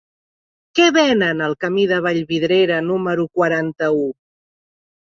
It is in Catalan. Què venen al camí de Vallvidrera número quaranta-u?